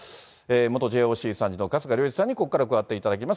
元ＪＯＣ参事の春日良一さんにここから加わっていただきます。